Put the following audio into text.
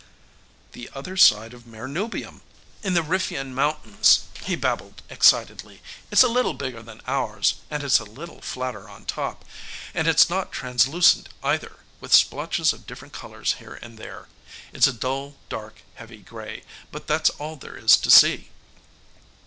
"The other side of Mare Nubium in the Riphaen Mountains," he babbled excitedly. "It's a little bigger than ours, and it's a little flatter on top. And it's not translucent, either, with splotches of different colors here and there it's a dull, dark, heavy gray. But that's all there is to see."